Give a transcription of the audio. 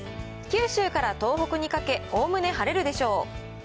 九州から東北にかけ、おおむね晴れるでしょう。